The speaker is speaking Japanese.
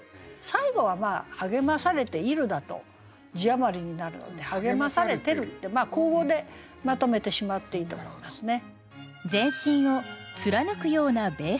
最後は「励まされている」だと字余りになるので「励まされてる」って口語でまとめてしまっていいと思いますね。